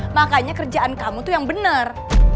makanya kerjaan kamu tuh yang benar